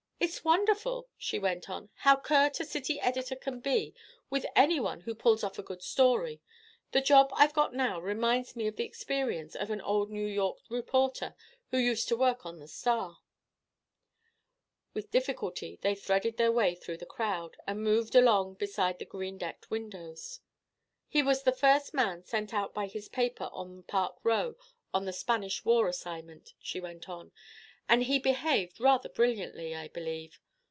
"It's wonderful," she went on, "how curt a city editor can be with any one who pulls off a good story. The job I've got now reminds me of the experience of an old New York reporter who used to work on the Star." With difficulty they threaded their way through the crowd, and moved along beside the green decked windows. "He was the first man sent out by his paper on Park Row on the Spanish War assignment," she went on, "and he behaved rather brilliantly, I believe.